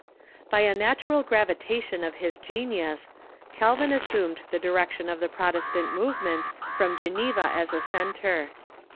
By a natural gravitation of his genius, Calvin assumed the direction of the Protestant movements from Geneva as a centre.